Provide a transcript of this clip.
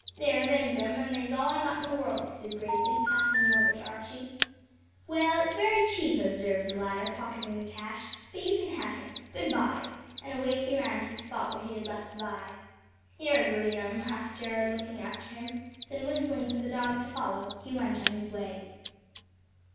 "There, them's um, and they's all I got in the world," he said gravely, passing them over to Archie. "Well, it's very cheap," observed the latter, pocketing the cash, "but you can have him. Good bye," and away he ran back to the spot where he had left Vi. "You're a green 'un!" laughed Jared, looking after him; then whistling to the dog to follow, he went on his way.